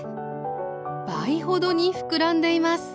倍ほどに膨らんでいます。